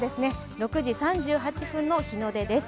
６時３８分の日の出です。